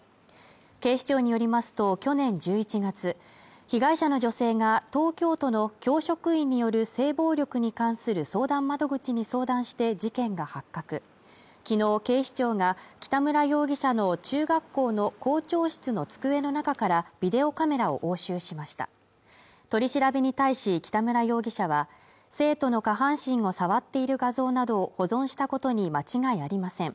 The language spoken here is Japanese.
警視庁によりますと去年１１月被害者の女性が東京都の教職員による性暴力に関する相談窓口に相談して事件が発覚きのう警視庁が北村容疑者の中学校の校長室の机の中からビデオカメラを押収しました取り調べに対し北村容疑者は生徒の下半身を触っている画像などを保存したことに間違いありません